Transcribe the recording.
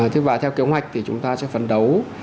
thế và theo kế hoạch thì chúng ta sẽ phấn đấu